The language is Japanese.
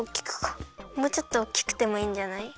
もうちょっとおっきくてもいいんじゃない？